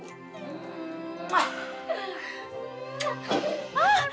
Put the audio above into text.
ini cobek ya bu